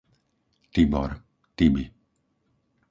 Tibor, Tibi